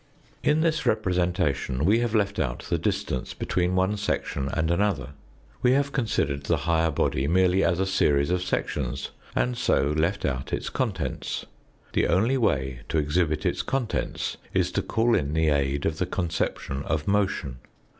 In this representation we have left out the distance between one section and another ; we have considered the higher body merely as a series of sections, and so left out its contents. The only way to exhibit its contents is to call in the aid of the conception of motion.